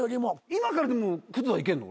今からでもクズはいけんの？